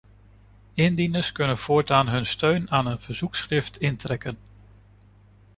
Indieners kunnen voortaan hun steun aan een verzoekschrift intrekken.